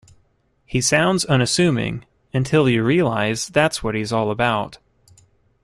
He sounds unassuming until you realize that's what he's all about.